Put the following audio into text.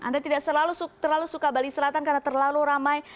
anda tidak terlalu suka bali selatan karena terlalu ramai